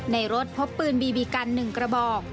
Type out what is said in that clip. ในรถพบปืนบีบีกัน๑กระบอก